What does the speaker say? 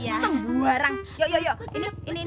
eh ngocok karena aku malam main timun